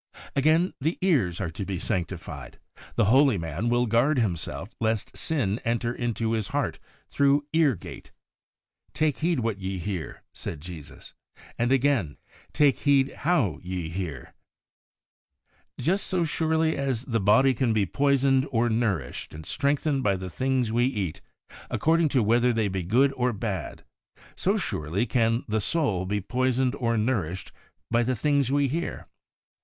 ' Again, the ears are to be sanctified. The holy man will guard himself lest sin enter into his heart through Ear gate. 'Take heed what ye hear,' said Jesus; and again, 'Take heed how ye hear.' Just so 40 THE WAY OF HOLINESS surely as the body can be poisoned or nourished and strengthened by the things we eat, according to whether they be good or bad, so surely can the soul be poisoned or nourished by the things we hear.